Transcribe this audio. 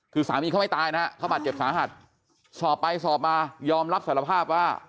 คือสามีเขาไม่ตายนะฮะเขาบาดเจ็บสาหัสสอบไปสอบมายอมรับสารภาพว่า